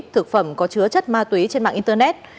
thực phẩm có chứa chất ma túy trên mạng internet